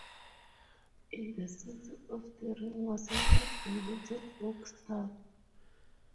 In the centre of the ring was a large inverted oak stump.